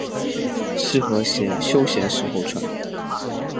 适合休闲时候穿。